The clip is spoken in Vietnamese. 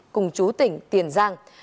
cùng chú tỉnh tiền giang